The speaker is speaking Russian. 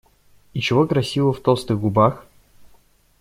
И чего красивого в толстых губах?